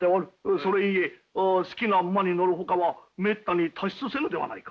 それゆえ好きな馬に乗るほかはめったに他出せぬではないか。